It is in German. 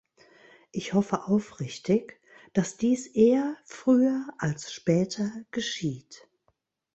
Ich hoffe aufrichtig, dass dies eher früher als später geschieht.